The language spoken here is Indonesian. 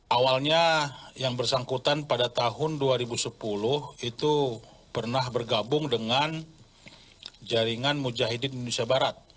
awalnya yang bersangkutan pada tahun dua ribu sepuluh itu pernah bergabung dengan jaringan mujahidin indonesia barat